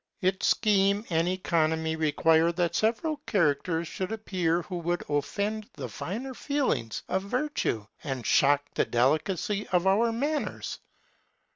Its scheme and economy require that several characters should appear who would offend the finer feelings of virtue and shock the delicacy of our manners.